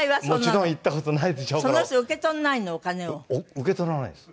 受け取らないんです。